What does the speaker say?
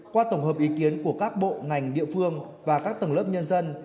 qua tổng hợp ý kiến của các bộ ngành địa phương và các tầng lớp nhân dân